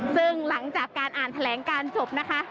ซึ่งหลังจากการอ่านแถลงการจบนะคะ